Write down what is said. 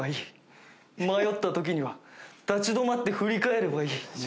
迷った時には立ち止まって振り返ればいい。